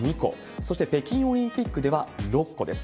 そして、北京オリンピックでは６個です。